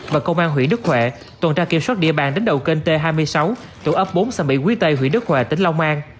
và công an huyện đức huệ tuần tra kiểm soát địa bàn đến đầu kênh t hai mươi sáu tổ ấp bốn xã mỹ quý tây huyện đức hòa tỉnh long an